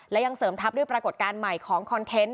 และยังเสริมทัพด้วยปรากฏการณ์ใหม่ของคอนเทนต์